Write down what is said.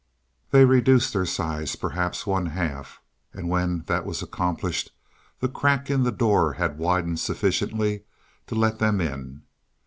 They reduced their size, perhaps one half, and when that was accomplished the crack in the door had widened sufficiently to let them in.